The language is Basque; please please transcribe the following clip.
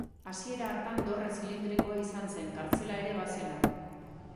Hasiera hartan dorre zilindrikoa izan zen, kartzela ere bazena.